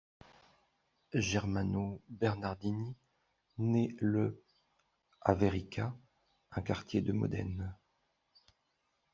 Germano Bernardini naît le à Verica, un quartier de Modène.